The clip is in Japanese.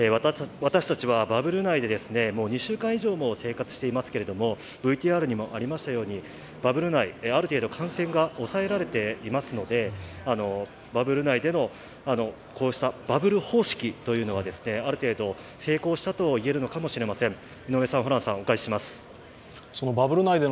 私たちはバブル内で、もう２週間以上も生活していますけれどもバブル内、ある程度感染が抑えられていますのでバブル内でのこうしたバブル方式というのはある程度、成功したと言えるのかもしれません。